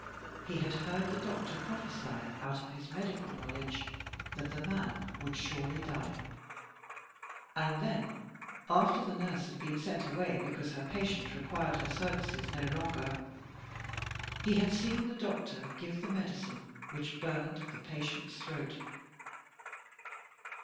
He had heard the doctor prophesy out of his medical knowledge that the man would surely die; and then, after the nurse had been sent away because her patient required her services no longer, he had seen the doctor give the medicine which burned the patient's throat.